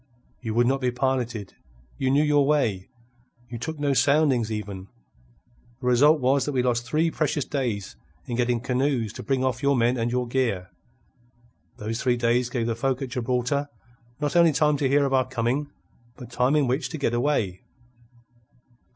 You would not be piloted. You knew your way. You took no soundings even. The result was that we lost three precious days in getting canoes to bring off your men and your gear. Those three days gave the folk at Gibraltar not only time to hear of our coming, but time in which to get away.